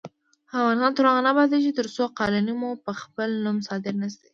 افغانستان تر هغو نه ابادیږي، ترڅو قالینې مو په خپل نوم صادرې نشي.